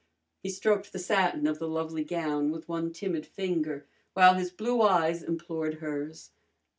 He stroked the satin of the lovely gown with one timid finger, while his blue eyes implored hers.